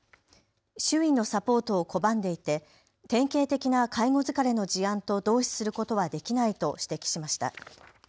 周囲のサポートを拒んでいて典型的な介護疲れの事案と同視することはできないと指摘しました。